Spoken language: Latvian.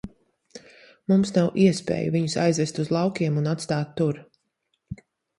Mums nav iespēju viņus aizvest uz laukiem un atstāt tur.